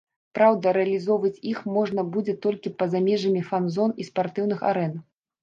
Праўда, рэалізоўваць іх можна будзе толькі па-за межамі фан-зон і спартыўных арэн.